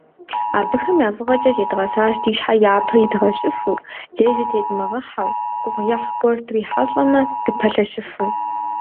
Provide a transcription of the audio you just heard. Абыхэм я фӀыгъэкӀэ зедгъэсащ ди щхьэ япэ идгъэщыфу, лей зытедмыгъэхьэу, гугъуехь гуэр дрихьэлӀамэ, дыпэлъэщыфу.